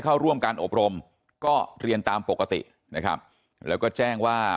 เข้าร่วมการอบรมก็เรียนตามปกตินะครับแล้วก็แจ้งว่า